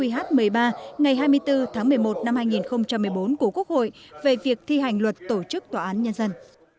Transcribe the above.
h một mươi ba ngày hai mươi bốn tháng một mươi một năm hai nghìn một mươi bốn của quốc hội về việc thi hành luật tổ chức tòa án nhân dân